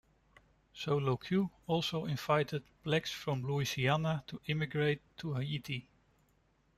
Soulouque also invited blacks from Louisiana to immigrate to Haiti.